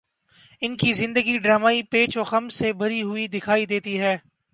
ان کی زندگی ڈرامائی پیچ و خم سے بھری ہوئی دکھائی دیتی ہے۔